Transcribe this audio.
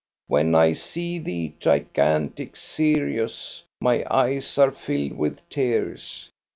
"When I see thee, gigantic, serious, my eyes are filled with tears.